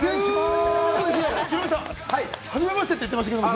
ヒロミさん、初めましてって言ってましたけれども。